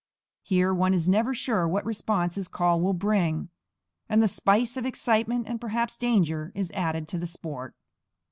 Here one is never sure what response his call will bring; and the spice of excitement, and perhaps danger, is added to the sport.